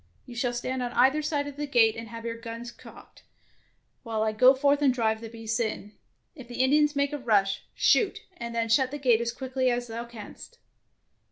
You shall stand on either side of the gate and have your guns cocked, while I go forth and drive the beasts in. If the Indians make a rush, shoot, and then shut the gate as quickly as thou canst.